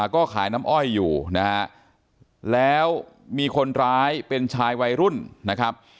ก็ขายน้ำอ้อยอยู่นะฮะแล้วมีคนร้ายเป็นชายวัยรุ่นนะครับ